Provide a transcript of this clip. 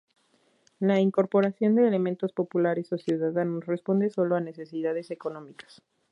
La incorporación de elementos populares o ciudadanos responde solo a necesidades económicas.